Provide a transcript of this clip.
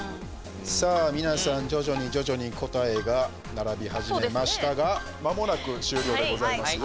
さあ、皆さん徐々に徐々に答えが並び始めましたが間もなく終了でございますよ。